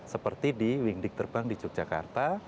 seperti di wing dik terbang di yogyakarta